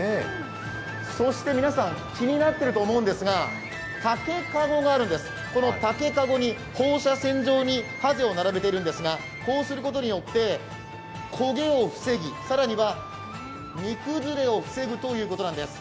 そして皆さん、気になっていると思うんですが竹籠があるんです、この竹籠に放射線状にはぜを並べているんですがこうすることによって焦げを防ぎ、更には煮崩れを防ぐということなんです。